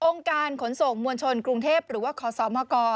องค์การขนส่งมวลชนกรุงเทพฯหรือว่าขอสอบมากร